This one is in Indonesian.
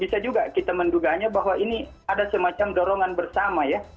bisa juga kita menduganya bahwa ini ada semacam dorongan bersama ya